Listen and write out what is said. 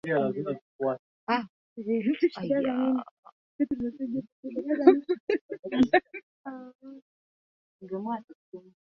mama mjamzito akiwa na malaria anatakiwa kutibiwa kwa kwinini